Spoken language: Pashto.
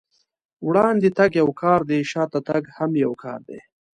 وړاندې تګ يو کار دی، شاته تګ هم يو کار دی.